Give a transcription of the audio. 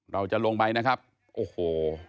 เราจะลงไปนะครับโอ้โห